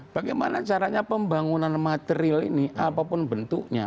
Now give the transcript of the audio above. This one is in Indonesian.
bagaimana caranya pembangunan material ini apapun bentuknya